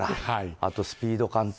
あとスピード感と。